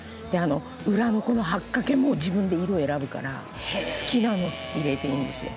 「裏のこの八掛も自分で色を選ぶから好きなのを入れていいんですよ。